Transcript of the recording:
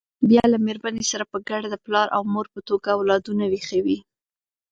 بیا له مېرمنې سره په ګډه د پلار او مور په توګه اولادونه ویښوي.